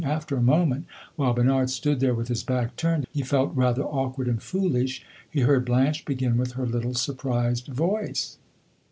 After a moment, while Bernard stood there with his back turned he felt rather awkward and foolish he heard Blanche begin with her little surprised voice.